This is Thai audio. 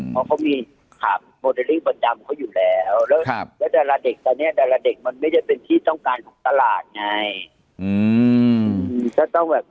เพราะเขามีโมเดลลิ่งประจำเขาอยู่แล้วแล้วแต่ละเด็กตอนนี้ไม่ได้เป็นที่ต้องการตลาดไง